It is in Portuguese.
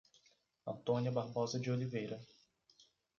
Antônia Barbosa de Oliveira